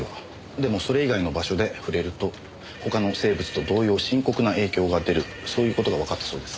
でもそれ以外の場所で触れると他の生物と同様深刻な影響が出るそういう事がわかったそうです。